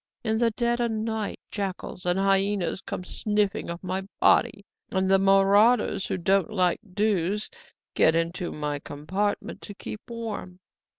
In the dead o' night jackals and hyaenas come sniffing of my body; and the marauders who don't like dews get into my compartment to keep warm.